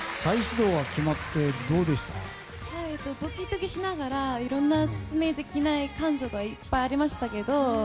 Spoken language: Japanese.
ドキドキしながらいろんな説明できない感情がいっぱいありましたけど